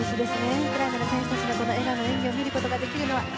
ウクライナの選手たちの笑顔の演技を見ることができるのは。